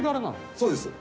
そうです。